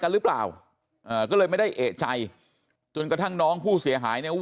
หรือเปล่าก็เลยไม่ได้เอกใจจนกระทั่งน้องผู้เสียหายเนี่ย